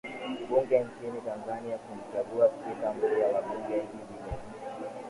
bunge nchini tanzania kumchagua spika mpya wa bunge hivi leo